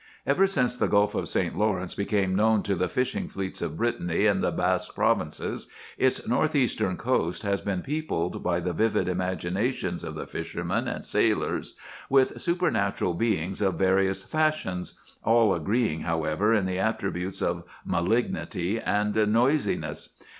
"Ever since the Gulf of St. Lawrence became known to the fishing fleets of Brittany and the Basque Provinces, its north eastern coast has been peopled, by the vivid imaginations of the fishermen and sailors, with supernatural beings of various fashions, all agreeing, however, in the attributes of malignity and noisiness.